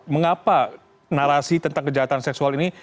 mengapa narasi tentang kejahatan seksual ini